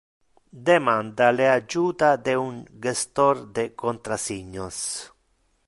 Demanda le adjuta de un gestor de contrasignos.